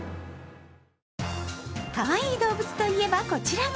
かわいい動物といえば、こちらも。